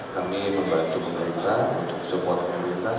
kami membantu pemerintah untuk support pemerintah